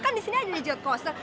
kan di sini aja ada jet coaster